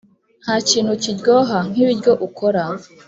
ntakintu kiryoha nkibiryo ukora.